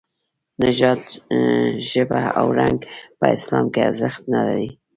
نژاد، ژبه او رنګ په اسلام کې ارزښت نه لري.